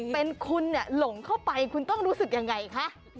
เป็นคุณหลงเข้าไปคุณต้องรู้สึกยังไงคะ